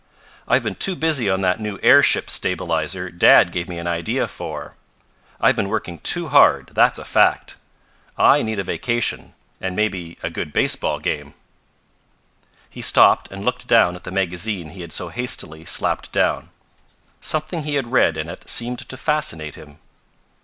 "I've been too busy on that new airship stabilizer dad gave me an idea for. I've been working too hard, that's a fact. I need a vacation, and maybe a good baseball game " He stopped and looked at the magazine he had so hastily slapped down. Something he had read in it seemed to fascinate him.